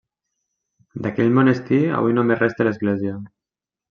D'aquell monestir avui només resta l'església.